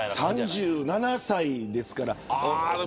３７歳ですから。